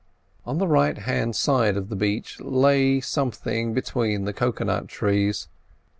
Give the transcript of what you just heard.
On the right hand side of the beach something lay between the cocoa nut trees.